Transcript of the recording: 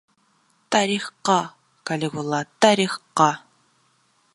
Тарихҡа, Калигула, тарихҡа!